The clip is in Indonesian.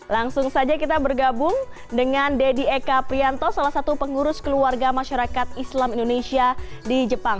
langsung saja kita bergabung dengan deddy eka prianto salah satu pengurus keluarga masyarakat islam indonesia di jepang